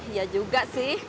iya juga sih